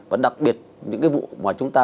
và đặc biệt những vụ mà chúng ta